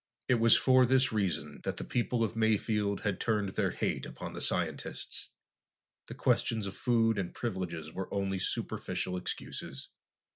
It was for this reason that the people of Mayfield had turned their hate upon the scientists. The questions of food and privileges were only superficial excuses.